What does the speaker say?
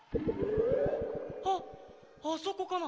・あっあそこかな？